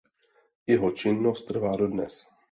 Jeho činnost trvá dodnes.